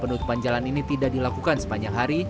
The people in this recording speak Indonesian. penutupan jalan ini tidak dilakukan sepanjang hari